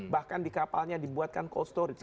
bahkan di kapalnya dibuatkan cold storage